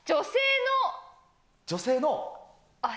女性の？